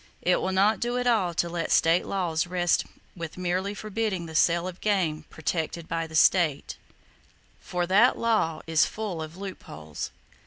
It will not do at all to let state laws rest with merely forbidding the sale of game "protected by the State;" for that law is full of loop holes.